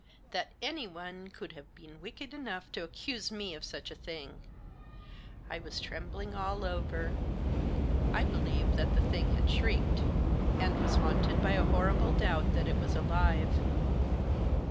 That anyone could have been wicked enough to accuse me of such a thing ! I was Digitized by THE DOLL. 27 trembling all over. I believed that the thing had shrieked, and was haunted by a horrible doubt that it was alive.